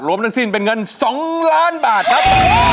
ทั้งสิ้นเป็นเงิน๒ล้านบาทครับ